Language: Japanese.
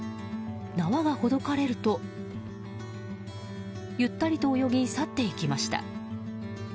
縄がほどかれるとゆったりと泳ぎ去っていきました。